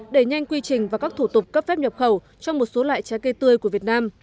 để nhanh quy trình và các thủ tục cấp phép nhập khẩu cho một số loại trái cây tươi của việt nam